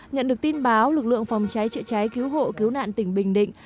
nhận được tin báo lực lượng phòng cháy chữa cháy cứu hộ cứu nạn tỉnh bình định